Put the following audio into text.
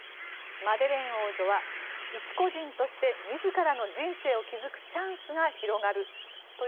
マデレーン王女は、一個人として自らの人生を築くチャンスが広がる。